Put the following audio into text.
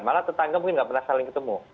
malah tetangga mungkin nggak pernah saling ketemu